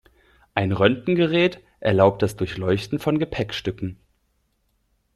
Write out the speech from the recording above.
Ein Röntgengerät erlaubt das Durchleuchten von Gepäckstücken.